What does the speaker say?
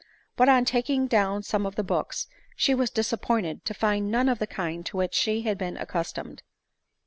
But, on taking down some of the books, she was disappointed to find none of the kind to which she had been accustomed.